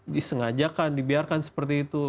disengajakan dibiarkan seperti itu